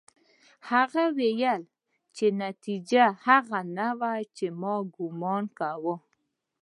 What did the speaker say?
هغې وویل چې نتيجه هغه څه نه وه چې ما ګومان کاوه